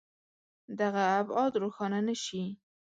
دغه ابعاد روښانه نه شي.